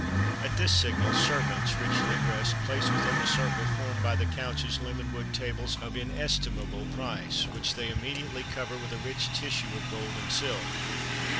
[XXXV 26] At this signal, servants, richly dressed, place within the circle formed by the couches lemon wood tables of inestimable price,[XXXV 27] which they immediately cover with a rich tissue of gold and silk.